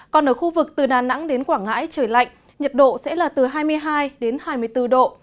còn ở khu vực từ đà nẵng đến quảng ngãi trời lạnh nhiệt độ sẽ là từ hai mươi hai đến hai mươi bốn độ